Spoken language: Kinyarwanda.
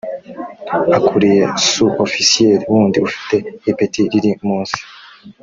akuriye su ofisiye wundi ufite ipeti riri munsi